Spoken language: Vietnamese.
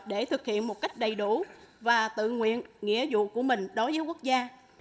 để thực hiện một cách đầy đủ và tự nguyện nghĩa vụ của mình đối với quốc gia